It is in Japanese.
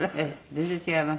全然違います。